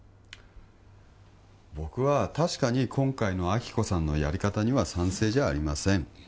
僕は確かに今回の亜希子さんのやり方には賛成じゃありません